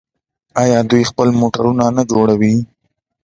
آیا دوی خپل موټرونه نه جوړوي؟